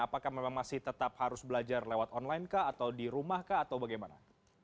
apakah memang masih tetap harus belajar lewat online kah atau di rumah kah atau bagaimana